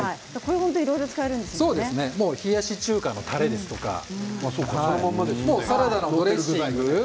これは冷やし中華のたれですとかサラダのドレッシング